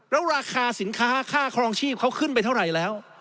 แล้วราคาสินค้าค่าครองชีพเขาขึ้นไปเท่าไหร่แล้ว